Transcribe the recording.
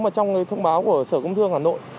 mà trong cái thông báo của sở công thương hà nội